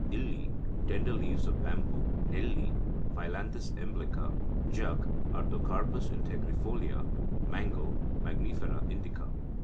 Illi (tender leaves of bamboo). Nelli (Phyllanthus Emblica). Jak (Artocarpus integrifolia). Mango (Mangifera indica).